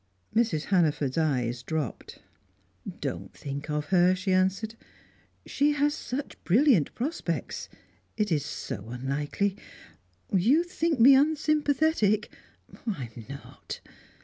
Mrs. Hannaford's eyes dropped. "Don't think of her," she answered. "She has such brilliant prospects it is so unlikely. You think me unsympathetic oh, I'm not!"